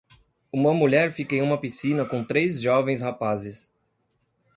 Uma mulher fica em uma piscina com três jovens rapazes.